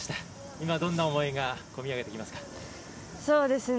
今どんな思いがこみ上げていますか。